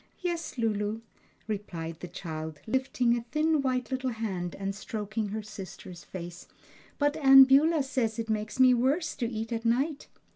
"Yes, Lulu," replied the child, lifting a thin white little hand and stroking her sister's face, "but Aunt Beulah says it makes me worse to eat at night."